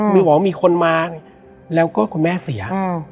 มีบอกว่ามีคนมาแล้วก็คุณแม่เสีย